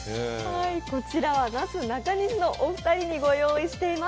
こちらはなすなかにしのお二人にご用意しています。